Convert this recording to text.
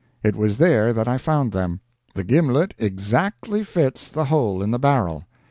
It was there that I found them. The gimlet exactly fits the hole in the barrel.